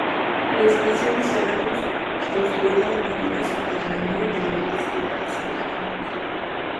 La estación será construida de manera subterránea en el distrito de Santa Anita.